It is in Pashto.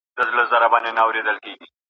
ټولنپوهنه د اوسني عصر یوه مهمه اړتیا ده.